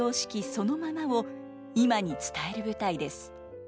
そのままを今に伝える舞台です。